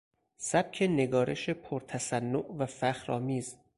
سبک نگارش پر تصنع و فخر آمیز